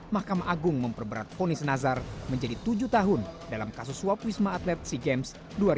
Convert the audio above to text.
mahkamah agung memperberat fonis nazar menjadi tujuh tahun dalam kasus suap wisma atlet sea games dua ribu dua puluh